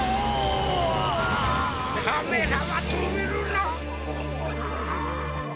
カメラはとめるな。